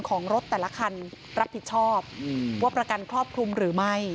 ของรถแต่ละคันรับผิดชอบว่าประกันครอบคลุมหรือไม่